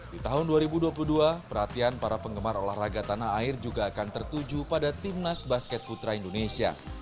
di tahun dua ribu dua puluh dua perhatian para penggemar olahraga tanah air juga akan tertuju pada timnas basket putra indonesia